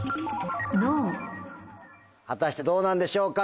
果たしてどうなんでしょうか？